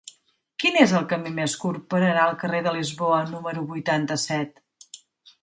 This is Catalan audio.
Quin és el camí més curt per anar al carrer de Lisboa número vuitanta-set?